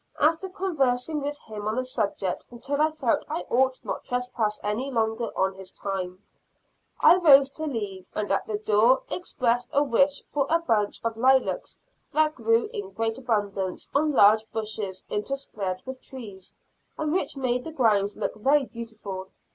After conversing with him on the subject until I felt I ought not trespass any longer on his time, I rose to leave, and at the door expressed a wish for a bunch of lilacs that grew in great abundance on large bushes interspersed with trees, and which made the grounds look very beautiful.